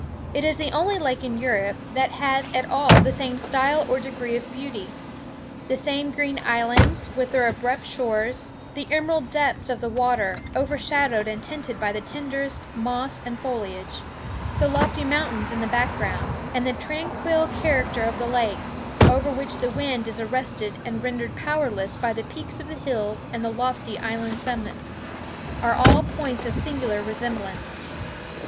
It is the only lake in Europe that has at all the same style or degree of beauty. The small green islands, with their abrupt shores,—the emerald depths of the water, overshadowed and tinted by the tenderest moss and foliage,—the lofty mountains in the back ground,—and the tranquil character of the lake, over which the wind is arrested and rendered powerless by the peaks of the hills and the lofty island summits,—are all points of singular resemblance.